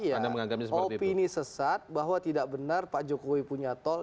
yang opini sesat bahwa tidak benar pak jokowi punya tol